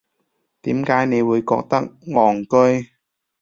點解你會覺得戇居